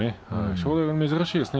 正代は珍しいですね。